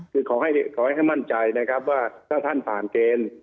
คือขอให้มั่นใจนะครับว่าถ้าท่านผ่านเกณฑ์